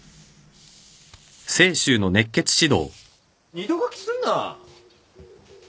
二度書きすんな！